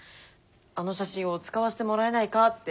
あの写真を使わせてもらえないかって。